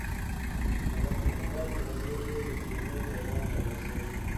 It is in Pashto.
ملک محمد په غزني کې د تیمور دربار ته ورځي.